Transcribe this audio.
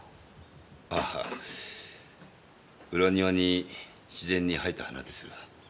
ああ裏庭に自然に生えた花ですよ。